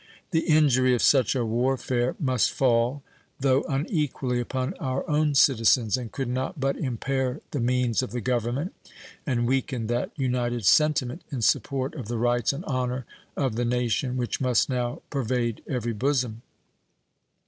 The injury of such a warfare must fall, though unequally, upon our own citizens, and could not but impair the means of the Government and weaken that united sentiment in support of the rights and honor of the nation which must now pervade every bosom.